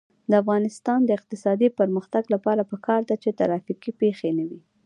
د افغانستان د اقتصادي پرمختګ لپاره پکار ده چې ترافیکي پیښې نه وي.